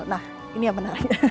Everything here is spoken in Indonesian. nah ini yang menarik